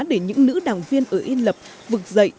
để những nữ đảng viên ở yên lập vực dậy